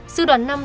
sư đoàn năm